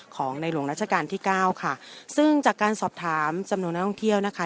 ของในหลวงราชการที่เก้าค่ะซึ่งจากการสอบถามจำนวนนักท่องเที่ยวนะคะ